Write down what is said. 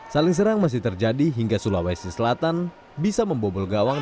saling serang masih terjadi hingga sulawesi selatan bisa membobol gawang